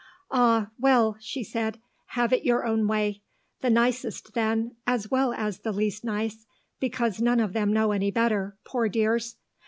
"Ah well," she said, "have it your own way. The nicest, then, as well as the least nice, because none of them know any better, poor dears.